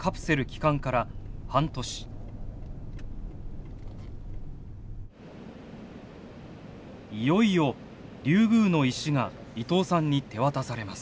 いよいよリュウグウの石が伊藤さんに手渡されます。